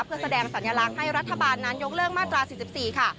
เพื่อแสดงสัญลักษณ์ให้รัฐบาลนั้นยกเลิกมาตรา๔๔ค่ะ